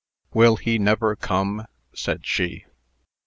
"Will he never come?" said she.